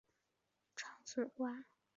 长穗花为野牡丹科长穗花属下的一个种。